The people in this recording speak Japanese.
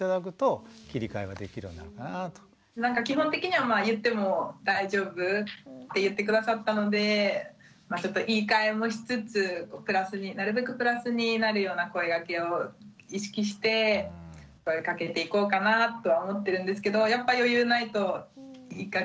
なんか基本的にはまあ言っても大丈夫って言って下さったのでちょっと言いかえもしつつなるべくプラスになるような声がけを意識して声をかけていこうかなと思ってるんですけどやっぱ余裕ないと言いがちだし。